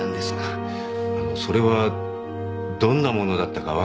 あのそれはどんな物だったか分かりますか？